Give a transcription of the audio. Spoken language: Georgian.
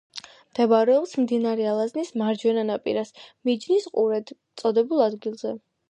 მდებარეობს მდინარე ალაზნის მარჯვენა ნაპირას მიჯნის ყურედ წოდებულ ადგილზე.